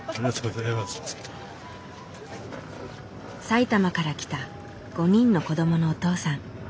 埼玉から来た５人の子どものお父さん。